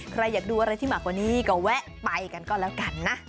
ใครอยากดูอะไรที่มากกว่านี้ก็แวะไปกันก็แล้วกันนะ